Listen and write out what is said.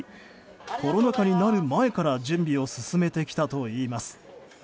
コロナ禍になる前から準備を進めてきたといいます。